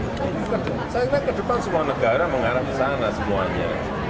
saya kira ke depan semua negara mengarah ke sana semuanya